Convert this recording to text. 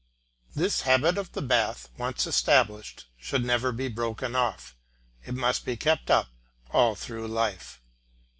This habit of the bath, once established, should never be broken off, it must be kept up all through life.